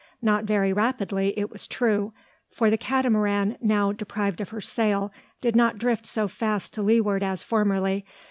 Not very rapidly it was true; for the Catamaran now, deprived of her sail, did not drift so fast to leeward as formerly.